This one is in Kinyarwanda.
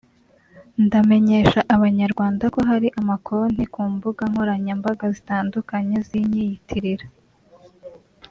"Ndamenyesha Abanyarwanda ko hari ama konti ku mbuga nkoranyambaga zitandukanye zinyiyitirira